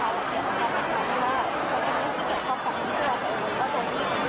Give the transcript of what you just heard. ว่าพี่สุดท้ายละเอียดละขอเทียมละเอียดละขอเทียมละขอเทียม